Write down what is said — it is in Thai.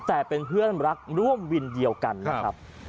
แต่เป็นเพื่อนรักร่วมวินเดียวกันนะครับ